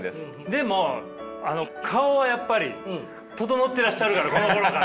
でも顔はやっぱり整ってらっしゃるからこのころから。